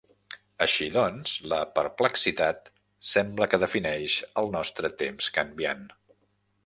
Així doncs, la perplexitat sembla que defineix el nostre temps canviant.